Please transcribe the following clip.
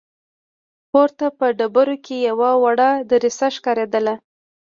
پورته په ډبرو کې يوه وړه دريڅه ښکارېدله.